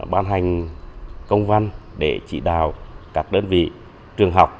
ban hành công văn để chỉ đào các đơn vị trường học